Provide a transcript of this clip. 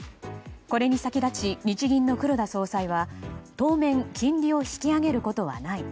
これに先立ち日銀の黒田総裁は当面、金利を引き上げることはない。